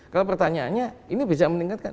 kalau pertanyaannya ini bisa meningkatkan